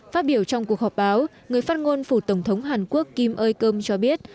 phát biểu trong cuộc họp báo người phát ngôn phủ tổng thống hàn quốc kim ơi cơm cho biết